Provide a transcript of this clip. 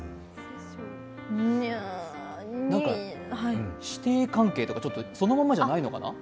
なんか師弟関係とかちょっとそのままじゃないのかな。